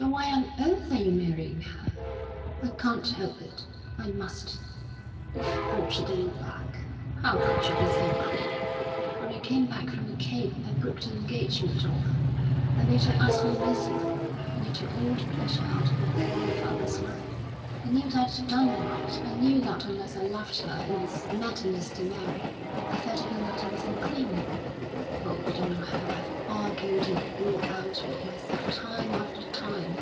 "Then why on earth are you marrying her?" "I can't help it; I must. You've brought it all back. How could you be so cruel! When I came back from the Cape, I broke the engagement off. I made her utterly miserable, and I took all the pleasure out of my poor father's life. I knew I'd done right; I knew that unless I loved her it was madness to marry; I felt even that it was unclean. Oh, you don't know how I've argued it all out with myself time after time!